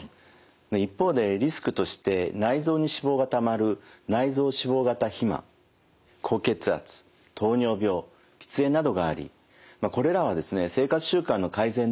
一方でリスクとして内臓に脂肪がたまる内臓脂肪型肥満高血圧糖尿病喫煙などがありこれらはですね生活習慣の改善で対応できます。